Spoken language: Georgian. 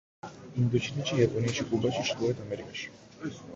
ინდოჩინეთში, იაპონიაში, კუბაში, ჩრდილოეთ ამერიკაში.